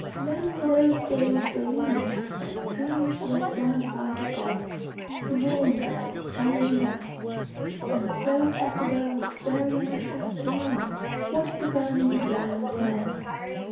Men in those days believed that dreams were sent by the gods to warn them of coming events, and so Hecuba was very anxious to know what the burning brand meant.